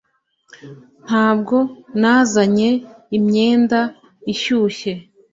Ntabwo nazanye imyenda ishyushye